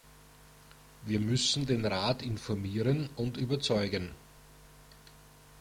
Wir müssen den Rat informieren und überzeugen.